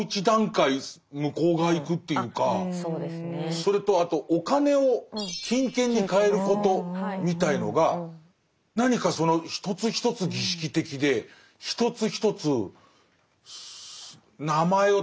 それとお金を金券に換えることみたいのが何かその一つ一つ儀式的で一つ一つ名前を取り上げられるというか。